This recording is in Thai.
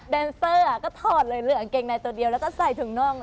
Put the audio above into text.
แนนเซอร์ก็ถอดเลยเหลือกางเกงในตัวเดียวแล้วก็ใส่ถุงน่อง